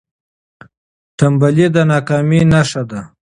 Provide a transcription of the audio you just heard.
ټنبلي د ناکامۍ نښه ده.